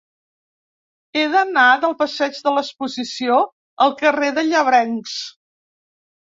He d'anar del passeig de l'Exposició al carrer dels Llebrencs.